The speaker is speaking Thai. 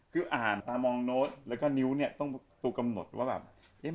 คืออ่านตามองโน๊ทแล้วนิ้วต้องตัวกำหนดว่าแบบ